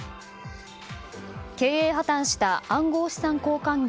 経営破たんした暗号資産交換業